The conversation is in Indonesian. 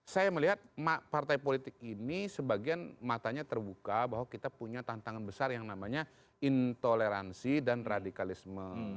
saya melihat partai politik ini sebagian matanya terbuka bahwa kita punya tantangan besar yang namanya intoleransi dan radikalisme